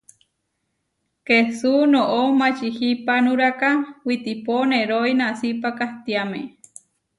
Kesú noʼó mačihipanuráka witipo neroí nasípa kahtiáme.